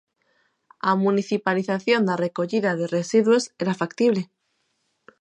A municipalización da recollida de residuos era factible.